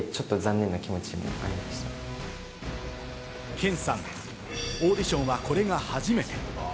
ケンさん、オーディションはこれが初めて。